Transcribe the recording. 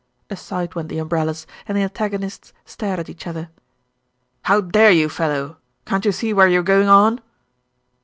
Aside went the umbrellas, and the antagonists stared at each other. "How dare you, fellow? Can't you see where you are going on?"